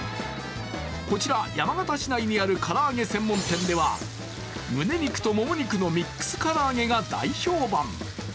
こちら山形市内に唐揚げ専門店では、むね肉ともも肉のミックス唐揚げが大評判。